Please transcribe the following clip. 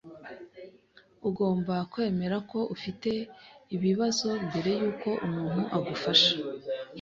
Ugomba kwemera ko ufite ikibazo mbere yuko umuntu agufasha.